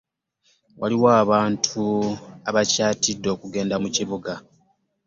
Waliwo abantu abakyatidde okugenda mu kibuga.